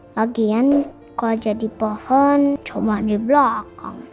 lagian kok jadi pohon cuma di belakang